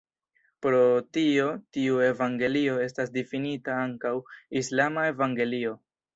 Pro tio tiu evangelio estas difinita ankaŭ "islama evangelio".